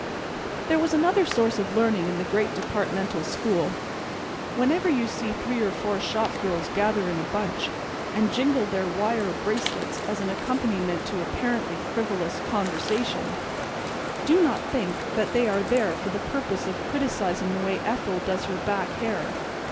There was another source of learning in the great departmental school. Whenever you see three or four shop girls gather in a bunch and jingle their wire bracelets as an accompaniment to apparently frivolous conversation, do not think that they are there for the purpose of criticizing the way Ethel does her back hair.